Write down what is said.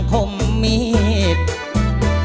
คมมิตป์